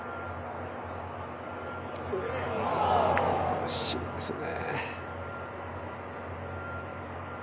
惜しいですね。